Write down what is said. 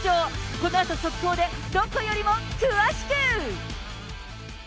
このあと速報で、どこよりも詳しく。